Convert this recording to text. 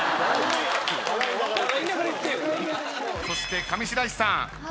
そして上白石さん。